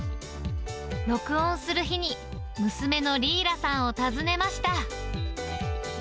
録音する日に娘のリーラさんを訪ねました。